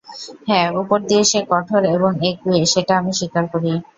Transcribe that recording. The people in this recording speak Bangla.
হ্যাঁ, উপর দিয়ে সে কঠোর এবং একগুঁয়ে সেটা আমি স্বীকার করি।